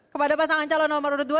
kepada pasangan calon nomor urut dua